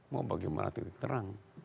mau bagaimana titik terang